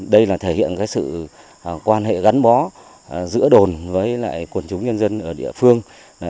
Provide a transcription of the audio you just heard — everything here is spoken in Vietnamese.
đây là thể hiện sự quan hệ gắn bó giữa đồn với quần chúng nhân dân ở địa phương